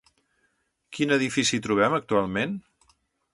Quin edifici hi trobem actualment?